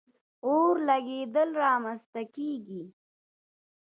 اور لګېدل را منځ ته کیږي.